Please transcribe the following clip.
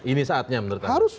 ini saatnya bener kan